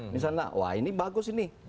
misalnya wah ini bagus ini